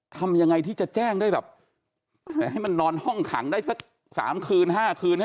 ทำยังไงที่จะแจ้งได้แบบให้มันนอนห้องขังได้สัก๓คืน๕คืนให้